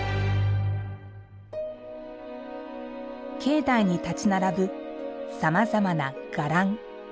境内に建ち並ぶさまざまな伽藍。